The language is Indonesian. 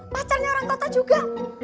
pacarnya orang kota juga